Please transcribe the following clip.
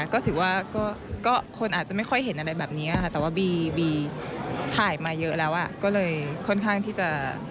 พี่คิดว่าคนอาจจะไม่ไห่เห็นอะไรแบบนี้แต่ว่าบีถ่ายมาเยอะแล้วก็เลยค่อนข้างที่จะ